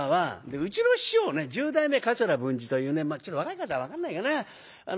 うちの師匠ね十代目桂文治というね若い方は分かんないかなあ。